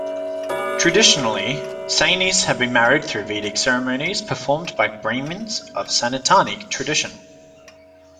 Traditionally, Sainis have been married through Vedic ceremonies performed by Brahmins of Sanatani tradition.